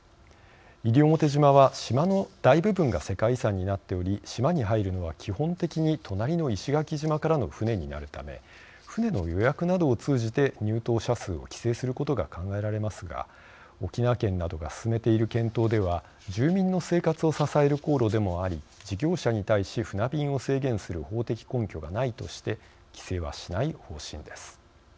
西表島は島の大部分が世界遺産になっており島に入るのは基本的に隣の石垣島からの船になるため船の予約などを通じて入島者数を規制することが考えられますが沖縄県などが進めている検討では住民の生活を支える航路でもあり事業者に対し船便を制限する法的根拠がないとして、規制はしない方針です。